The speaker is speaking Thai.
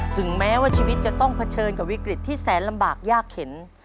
ถึงแม้ว่าชีวิตจะต้องเผชิญกับวิกฤตที่แสนลำบากยากเข็น